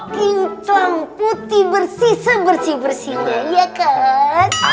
kingclang putih bersih sebersih bersih ya kan